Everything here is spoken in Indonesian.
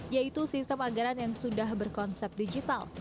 yaitu sistem anggaran yang sudah berkonsep digital